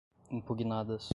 impugnadas